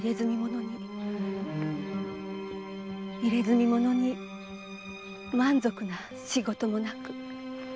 入れ墨者に満足な仕事もなく。